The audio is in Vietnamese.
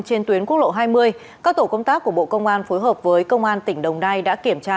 trên tuyến quốc lộ hai mươi các tổ công tác của bộ công an phối hợp với công an tỉnh đồng nai đã kiểm tra